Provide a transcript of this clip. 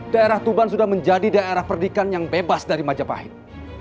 daerah tuban sudah menjadi daerah perdikan yang bebas dari majapahit